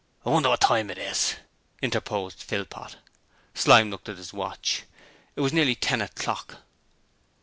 'I wonder what time it is?' interposed Philpot. Slyme looked at his watch. It was nearly ten o'clock.